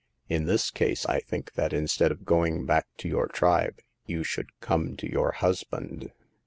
In this case, I think that instead of going back to your tribe you should come to your husband."